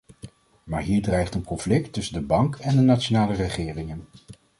Maar hier dreigt een conflict tussen de bank en de nationale regeringen.